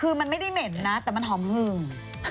คือมันไม่ได้เหม็นนะแต่มันหอมหึ่ม